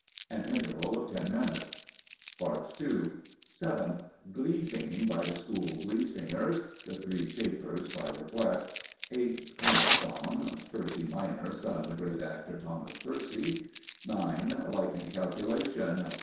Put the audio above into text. An Interval of Ten Minutes. PART II 7. Glee Singing by the School Glee Singers. ("The Three Chafers," by request.) 8. Comic Song. Percy Minor (son of the great actor, Thomas Percy). 9. Lightning calculation.